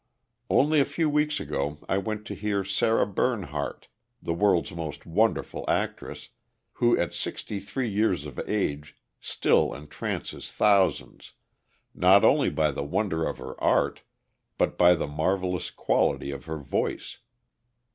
Only a few weeks ago I went to hear Sarah Bernhardt, the world's most wonderful actress, who at sixty three years of age still entrances thousands, not only by the wonder of her art, but by the marvelous quality of her voice.